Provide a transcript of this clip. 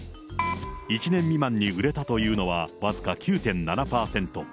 １年未満に売れたというのは僅か９．７％。